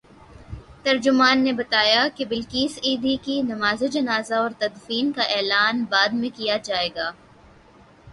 ترجمان نے بتایا کہ بلقیس ایدھی کی نمازجنازہ اورتدفین کا اعلان بعد میں کیا جائے گا۔